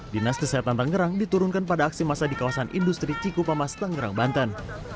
dinas kesehatan tangerang diturunkan pada aksi masa di kawasan industri cikupamas tangerang banten